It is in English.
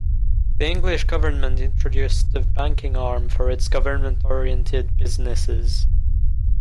The English government introduced the banking arm for its government-oriented businesses.